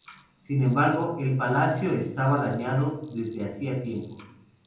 Sin embargo, el palacio estaba dañado desde hacía tiempo.